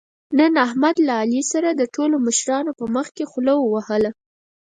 نن احمد له علي سره د ټولو مشرانو په مخکې خوله ووهله.